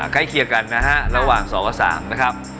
ใกล้เคียบกันระหว่าง๒กัน๓